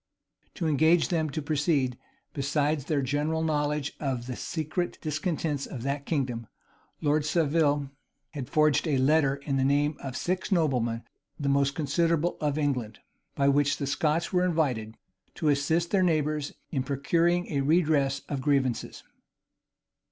To engage them to proceed, besides their general knowledge of the secret discontents of that kingdom, Lord Saville had forged a letter, in the name of six noblemen the most considerable of England, by which the Scots were invited to assist their neighbors in procuring a redress of grievances.